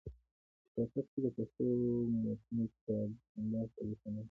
په کوټه کښي د پښتو متونو چاپ چندان سابقه نه لري.